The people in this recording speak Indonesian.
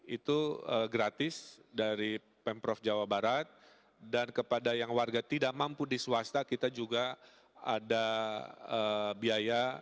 itu gratis dari pemprov jawa barat dan kepada yang warga tidak mampu di swasta kita juga ada biaya